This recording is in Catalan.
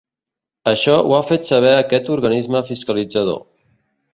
Així ho ha fet saber aquest organisme fiscalitzador.